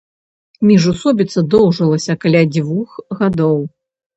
Міжусобіца доўжылася каля двух гадоў.